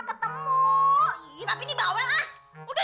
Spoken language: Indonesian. tapi ada yang ngebel pintu